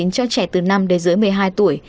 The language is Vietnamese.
cho trẻ từ năm đến dưới một mươi hai tuổi